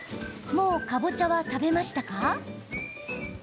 もうかぼちゃは食べましたか？